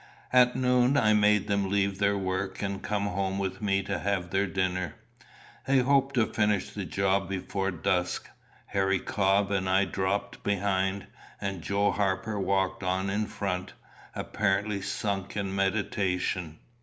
At noon I made them leave their work, and come home with me to have their dinner; they hoped to finish the job before dusk. Harry Cobb and I dropped behind, and Joe Harper walked on in front, apparently sunk in meditation.